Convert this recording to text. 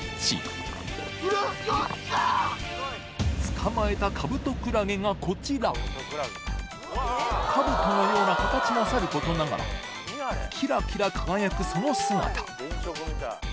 捕まえたカブトクラゲがこちらカブトのような形もさることながらキラキラ輝くその姿電飾みたい。